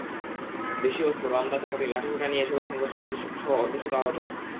দেশীয় অস্ত্র, রামদা-চাপাতি, লাঠিসোঁটা নিয়ে এসব সংঘর্ষে পুলিশসহ অর্ধশত আহত হন।